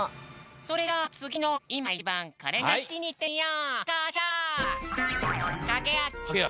それじゃあつぎの「いま、いちばんコレがすき」にいってみよう！